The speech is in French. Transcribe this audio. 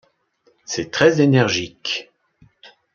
C'est très énergique.